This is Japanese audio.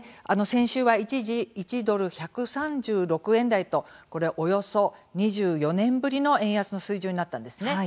先週は一時１ドル、１３６円台とおよそ２４年ぶりの円安の水準になったんですね。